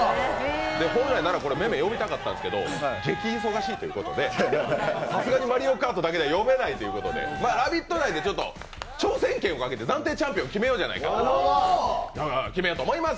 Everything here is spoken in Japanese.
本来なら、めめ、呼びたかったんですけど忙しいということでさすがに「マリオカート」だけでは呼べないということで挑戦権かけて暫定チャンピオンを決めようじゃないかと決めようと思います。